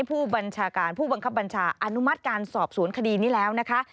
ผู้บัญชาการผู้บังคับบัญชาอนุมัติการสอบสวนคดีนี้แล้วนะคะ